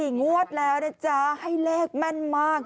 งวดแล้วนะจ๊ะให้เลขแม่นมาก